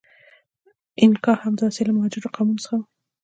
اینکا هم د آسیا له مهاجرو قومونو څخه و.